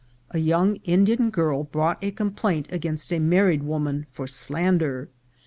A young Indian girl brought a complaint against a mar ried woman for slander.